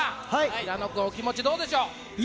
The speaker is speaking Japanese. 平野君、お気持ちどうでしいや